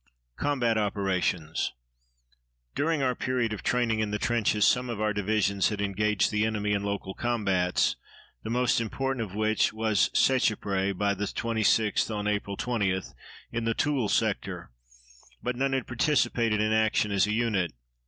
COMBAT OPERATIONS During our period of training in the trenches some of our divisions had engaged the enemy in local combats, the most important of which was Seicheprey by the 26th on April 20, in the Toul sector, but none had participated in action as a unit.